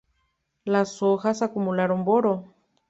Las hojas acumulan boro.